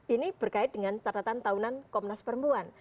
ini berkait dengan catatan tahunan komnas perempuan